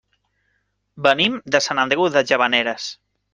Venim de Sant Andreu de Llavaneres.